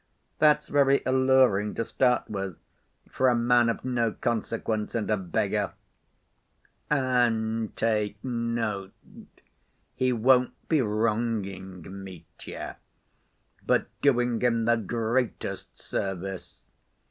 That's very alluring to start with, for a man of no consequence and a beggar. And, take note, he won't be wronging Mitya, but doing him the greatest service.